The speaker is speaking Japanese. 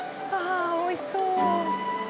ああおいしそう！